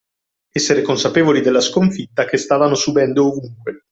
Essere consapevoli della sconfitta che stavano subendo ovunque